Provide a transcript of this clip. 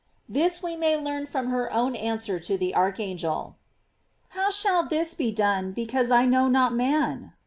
This we may learn from her own answer to the archangel: "How shall this be done, because I know not man?"